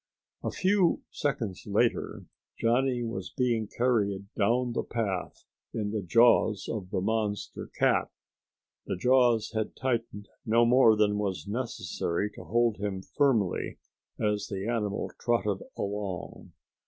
A few seconds later Johnny was being carried down the path in the jaws of the monster cat. The jaws had tightened no more than was necessary to hold him firmly as the animal trotted along.